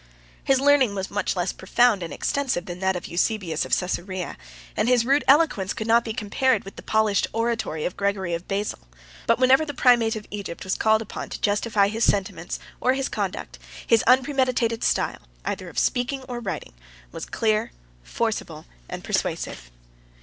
His learning was much less profound and extensive than that of Eusebius of Cæsarea, and his rude eloquence could not be compared with the polished oratory of Gregory of Basil; but whenever the primate of Egypt was called upon to justify his sentiments, or his conduct, his unpremeditated style, either of speaking or writing, was clear, forcible, and persuasive.